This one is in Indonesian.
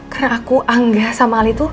karena aku anggah sama ali tuh